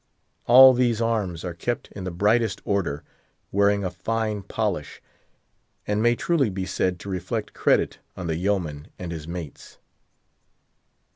All these arms are kept in the brightest order, wearing a fine polish, and may truly be said to reflect credit on the Yeoman and his mates.